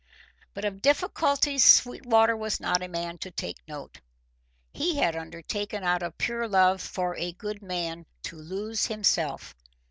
But of difficulties Sweetwater was not a man to take note. He had undertaken out of pure love for a good man to lose himself.